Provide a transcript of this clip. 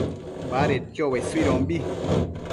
badedquio uesuidombi